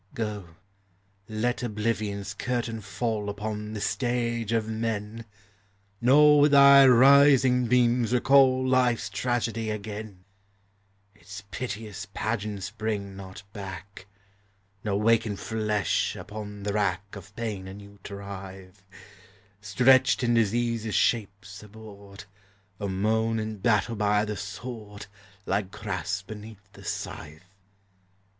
362 THE HIGHER LIFE. Go, let oblivion's curtain fall Upon the stage of men, Nor with thy rising beams recall Life's tragedy again : Its piteous pageants bring not back, Nor waken flesh, upon the rack Of pain anew to writhe; Stretched in disease's shapes abhorred, Or mown in battle bv the sword, Like grass beneath the scythe.